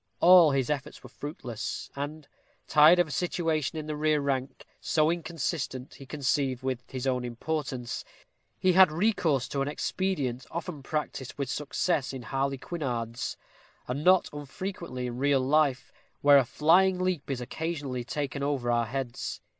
All his efforts were fruitless; and, tired of a situation in the rear rank, so inconsistent, he conceived, with his own importance, he had recourse to an expedient often practised with success in harlequinades, and not unfrequently in real life, where a flying leap is occasionally taken over our heads.